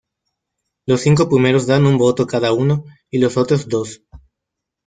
Los cinco primeros dan un voto cada uno, y los otros dos.